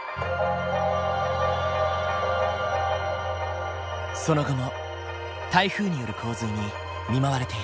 その後も台風による洪水に見舞われている。